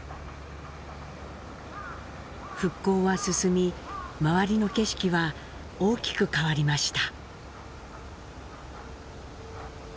復興は進み周りの景色は大きく変わりました。